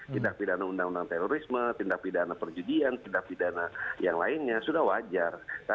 tindak pidana undang undang terorisme tindak pidana perjudian tindak pidana yang lainnya sudah wajar